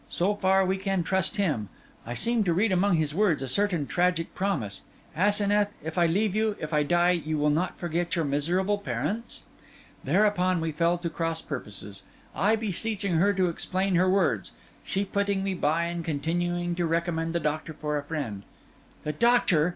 'So far we can trust him. I seem to read among his words a certain tragic promise. Asenath, if I leave you, if I die, you will not forget your miserable parents?' Thereupon we fell to cross purposes: I beseeching her to explain her words; she putting me by, and continuing to recommend the doctor for a friend. 'The doctor!